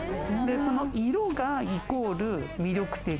色がイコール魅力的。